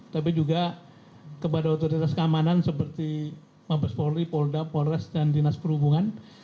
tapi juga kepada otoritas keamanan seperti mabes polri polda polres dan dinas perhubungan